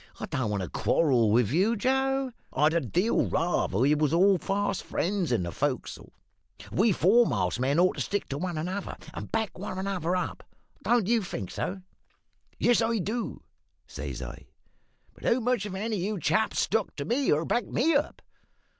I don't want to quarrel with you, Joe; I'd a deal rather we was all fast friends in the fo'c's'le. We foremast men ought to stick to one another, and back one another up; don't you think so?' "`Yes, I do,' says I; `but how much have any of you chaps stuck to me, or backed me up?